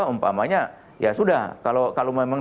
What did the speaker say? umpamanya ya sudah kalau memang